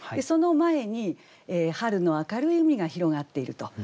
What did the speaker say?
その前に春の明るい海が広がっていると。